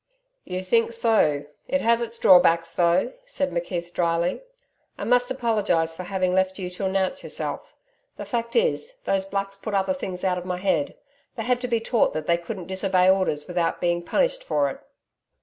'You think so! It has its drawbacks, though,' said McKeith dryly. 'I must apologise for having left you to announce yourself. The fact is, those Blacks put other things out of my head. They had to be taught they couldn't disobey orders without being punished for it.'